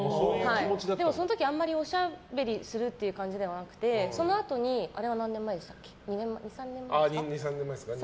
でもその時あまりおしゃべりする感じではなくてそのあとに、あれは２３年前ですかね。